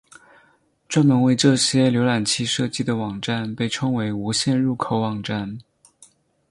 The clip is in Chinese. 专门为这些浏览器设计的网站被称为无线入口网站。